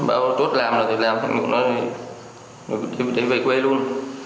bảo tốt làm rồi thì làm làm được rồi thì về quê luôn